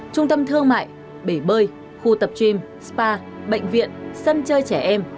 trung tâm thương mại bể bơi khu tập gym spa bệnh viện sân chơi trẻ em